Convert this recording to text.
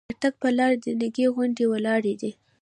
د تګ پر لارې دنګې غونډۍ ولاړې دي.